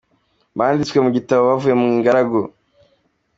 Banditswe mu igitabo bavuye mu ingaragu.